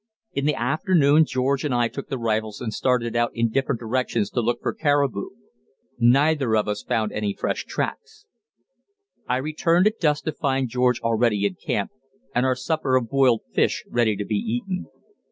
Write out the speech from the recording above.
In the afternoon George and I took the rifles and started out in different directions to look for caribou. Neither of us found any fresh tracks. I returned at dusk, to find George already in camp and our supper of boiled fish ready to be eaten.